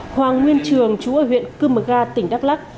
hoàng nguyên trường chú ở huyện cưm mật ga tỉnh đắk lắc